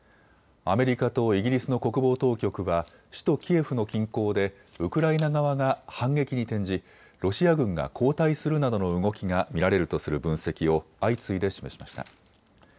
アメリカとイギリスの国防当局は首都キエフの近郊でウクライナ側が反撃に転じロシア軍が後退するなどの動きが見られるとする分析を相次いで示しました。